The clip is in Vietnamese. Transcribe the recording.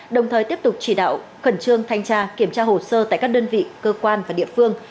đồng thời tiếp tục chỉ đạo khẩn trương thanh tra kiểm tra hồ sơ tại các đơn vị cơ quan và địa phương